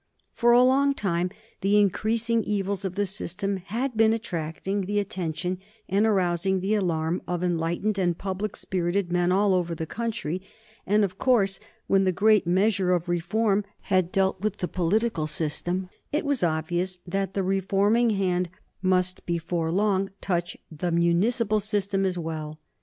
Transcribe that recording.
For a long time the increasing evils of the system had been attracting the attention and arousing the alarm of enlightened and public spirited men all over the country, and of course when the great measure of reform had dealt with the political system, it was obvious that the reforming hand must before long touch the municipal system as well.